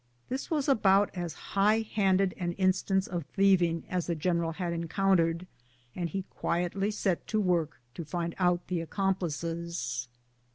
This was about as high handed an instance of thieving as the general had encountered, and he quietly set to work to find out the accomplices.